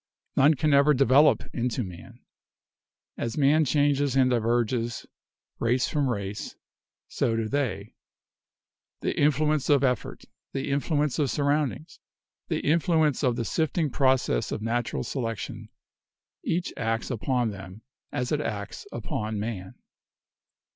None can ever 'develop' into man. As man changes and diverges, race from race, so do they. The influence of effort, the influence of surroundings, the influence of the sifting process of natural selection, each acts upon them as it acts upon man.